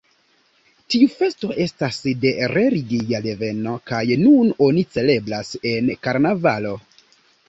Tiu festo estas de religia deveno kaj nun oni celebras en karnavalo.